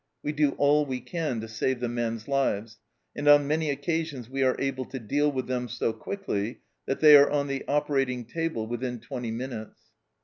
We do all we can to save the men's lives, and on many occasions we are able to deal with them so quickly that they are on the operating table within twenty minutes